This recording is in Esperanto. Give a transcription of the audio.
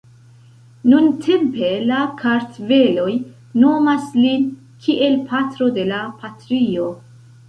Nuntempe la kartveloj nomas lin kiel "Patro de la Patrio".